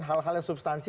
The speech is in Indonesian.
hal hal yang substansi